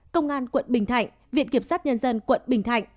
công an quận bình thạnh viện kiểm sát nhân dân quận bình thạnh